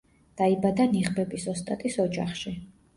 დაიბადა ნიღბების ოსტატის ოჯახში.